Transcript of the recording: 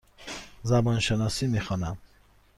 زبان شناسی می خوانم.